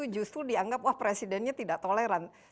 justru dianggap wah presidennya tidak toleran